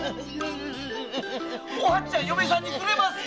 お初ちゃん嫁さんにくれますか？